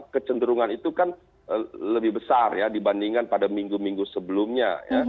kecenderungan itu kan lebih besar ya dibandingkan pada minggu minggu sebelumnya